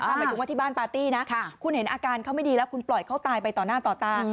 หมายถึงว่าที่บ้านปาร์ตี้นะคุณเห็นอาการเขาไม่ดีแล้วคุณปล่อยเขาตายไปต่อหน้าต่อตา